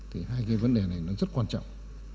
thì hai cái vấn đề này nó rất quan trọng